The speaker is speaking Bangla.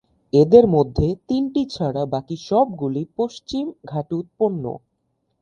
এদের মধ্যে তিনটি ছাড়া বাকি সবগুলি পশ্চিম ঘাটে উৎপন্ন।